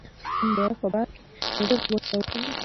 سپین بیرغ په باد کې په ډېر قوت سره غوځېده.